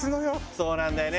そうなんだよね。